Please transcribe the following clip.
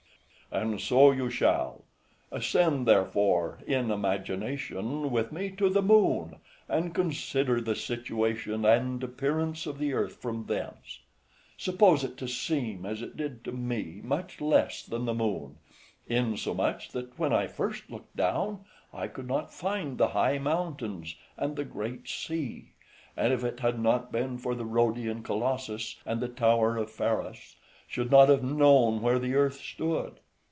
And so you shall; ascend, therefore, in imagination with me to the Moon, and consider the situation and appearance of the earth from thence: suppose it to seem, as it did to me, much less than the moon, insomuch, that when I first looked down, I could not find the high mountains, and the great sea; and, if it had not been for the Rhodian Colossus, and the tower of Pharos, should not have known where the earth stood.